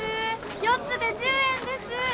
４つで１０円です。